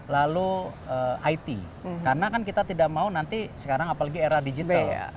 lalu it karena kan kita tidak mau nanti sekarang apalagi era digital ya